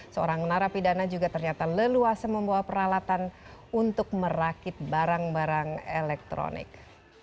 seorang narapidana juga ternyata leluasa membawa peralatan untuk merakit barang barang elektronik